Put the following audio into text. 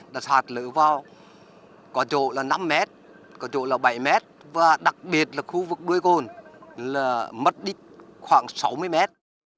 đã sạt lở vào có chỗ là năm mét có chỗ là bảy mét và đặc biệt là khu vực đuôi cồn là mất đích khoảng sáu mươi mét